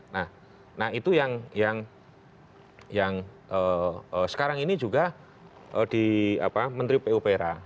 nah itu yang sekarang ini juga di menteri pupera